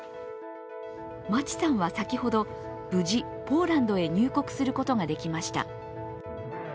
町さんは先ほど、無事、ポーランドへ入国することができました。